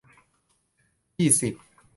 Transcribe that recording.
ยี่สิบ